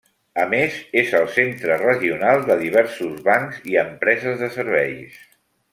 A més, és el centre regional de diversos bancs i empreses de serveis.